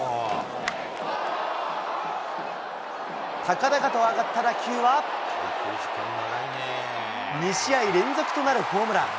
高々と上がった打球は、２試合連続となるホームラン。